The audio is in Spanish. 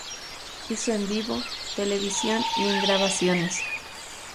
Hizo en vivo, televisión y en grabaciones.